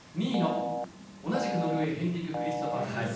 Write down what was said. ２位の同じくノルウェーヘンリク・クリストファーセン。